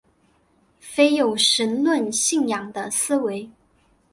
非有神论信仰的思维。